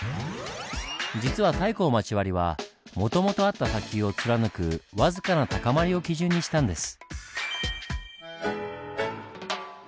実は太閤町割はもともとあった砂丘を貫くわずかな高まりを基準にしたんです。